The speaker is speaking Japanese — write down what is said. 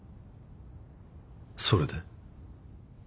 それで？